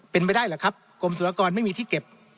เป็นไปได้หรือครับกรมสุรกรไม่มีที่เก็บ